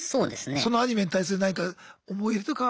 そのアニメに対する何か思い入れとかは。